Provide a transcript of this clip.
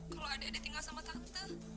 kalau adik adik tinggal sama tante